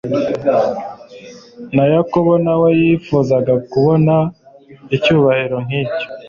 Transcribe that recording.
na Yakobo na we yifuzaga kubona icyubahiro nk'icyo.